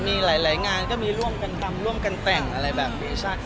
มีหลายงานก็มีร่วมกันทำร่วมกันแต่งอะไรแบบเวชั่น